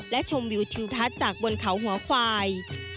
และชมวิวทิวทัศน์จากบนเขาหัวควาย